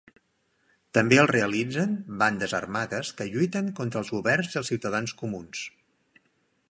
També el realitzen bandes armades que lluiten contra els governs i els ciutadans comuns.